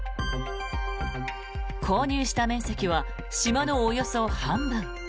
購入した面積は島のおよそ半分。